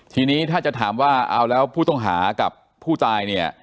ทีนี้ถ้าจะถามว่าเอาแล้วผู้ต้องหากับผู้ตายเนี่ย